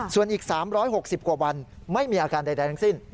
ส่วนอีก๓๖๐กว่าวันไม่มีอาการใดทั้งสิ้น